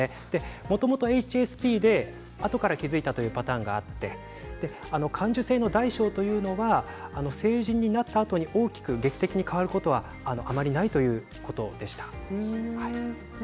もともとＨＳＰであとから気付いたというパターンがあって感受性の大小というのは成人になったあとに大きく劇的に変わることはあまりないということでした。